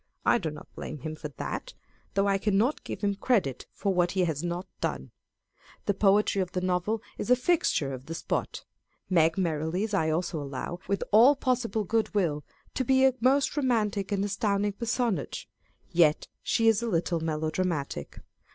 I do not blame him for that, though I cannot give him credit for what he has not done. The poetry of the novel is a fixture of the spot. Meg Merrilies I also allow, with all possible good will, to be a most romantic and astounding personage ; yet she is a little rnelo drainatic.